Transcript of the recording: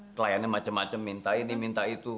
kelayannya macem macem minta ini minta itu